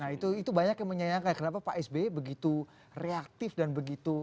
nah itu banyak yang menyayangkan kenapa pak sby begitu reaktif dan begitu